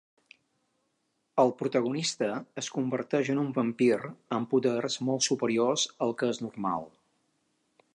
El protagonista es converteix en un vampir amb poders molt superiors al que és normal.